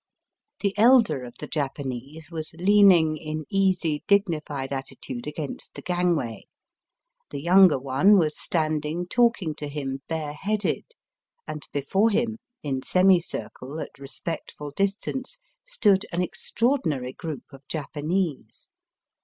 The elder of the Japanese was leaning in easy, dignified attitude against the gang way. The younger one was standing talking to him bareheaded, and before him in semi circle at respectful distance stood an extra ordinary group of Japanese.